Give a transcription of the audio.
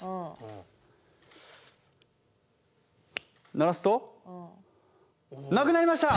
鳴らすとなくなりました！